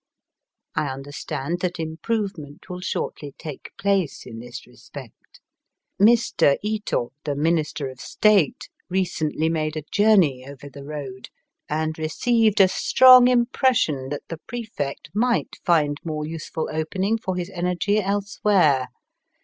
I understand that improvement will shortly take place in this respect. Mr. Ito, the Minister of State, recently made a journey over the road, and re ceived a strong impression that the Prefect might find more useful opening for his energy elsewhere.